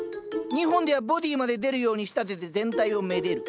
日本ではボディーまで出るように仕立てて全体をめでる。